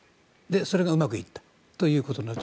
それがうまくいったということだと。